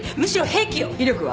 威力は？